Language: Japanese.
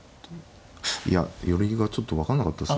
いや寄りがちょっと分かんなかったです。